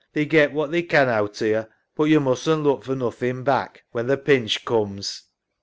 They get what they can outer yo, but yo musn't look for nothin' back, when th' pinch cooms.